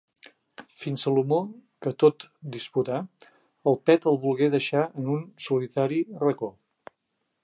Fins Salomó, que tot disputà, el pet el volgué deixar en un solitari racó.